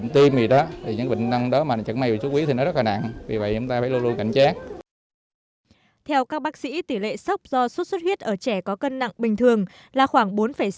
theo các bác sĩ tỷ lệ sốc do sốt xuất huyết ở trẻ có cân nặng bình thường là khoảng bốn sáu